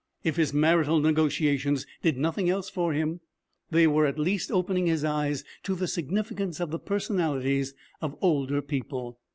If his marital negotiations did nothing else for him, they were at least opening his eyes to the significance of the personalities of older people.